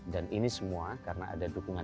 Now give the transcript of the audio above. dan ini semua karena ada dukungan